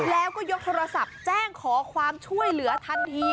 แล้วก็ยกโทรศัพท์แจ้งขอความช่วยเหลือทันที